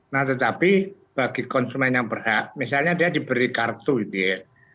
nah tetapi bagi konsumen yang berhak misalnya dia diberi kartu itu ya